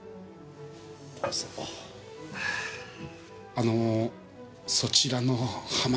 あのそちらの葉巻。